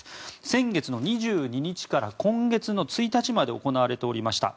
先月２２日から今月１日まで行われておりました。